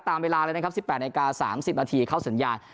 ตามเวลาเลยนะครับสิบแปดนาทีสามสิบนาทีเข้าสัญญาณ